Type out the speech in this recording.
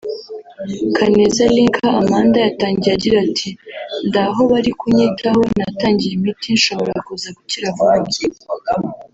Kaneza Lynka Amanda yatangiye agira ati ”Ndaho bari kunyitaho natangiye imiti nshobora kuza gukira vuba